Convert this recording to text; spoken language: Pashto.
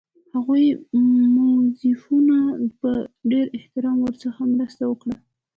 هغو موظفینو په ډېر احترام ورسره مرسته وکړه.